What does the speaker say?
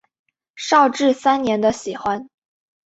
绍治三年的喜欢。